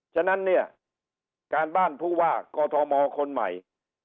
ฉะนั้นเนี่ยการบ้านผู้ว่ากอทมคนใหม่